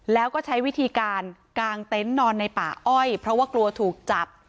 แล้วก็ใช้วิธีการกางเต็นต์นอนในป่าอ้อยเพราะว่ากลัวถูกจับ